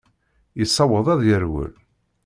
Yessaweḍ ad yerwel.